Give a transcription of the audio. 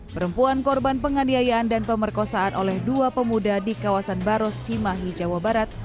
perempuan korban penganiayaan dan pemerkosaan oleh dua pemuda di kawasan baros cimahi jawa barat